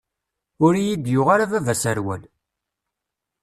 Ur iyi-d-yuɣ ara baba aserwal.